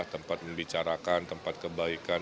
tempat membicarakan tempat kebaikan